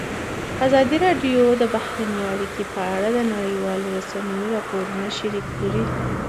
ازادي راډیو د بهرنۍ اړیکې په اړه د نړیوالو رسنیو راپورونه شریک کړي.